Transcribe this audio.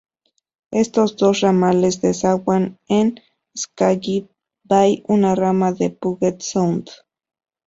Estos dos ramales desaguan en Skagit Bay, una rama del Puget Sound.